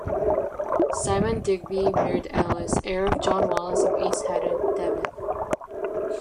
Simon Digby married Alice, heir of John Walleys of East Haddon, Devon.